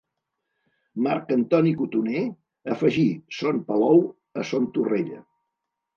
Marc Antoni Cotoner afegí Son Palou a Son Torrella.